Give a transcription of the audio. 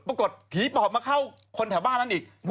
ผีปอบมาเข้าคนแถวบ้านนั้นอีก